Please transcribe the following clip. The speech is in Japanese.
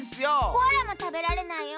コアラもたべられないよ。